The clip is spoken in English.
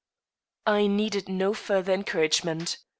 I needed no further encouragement.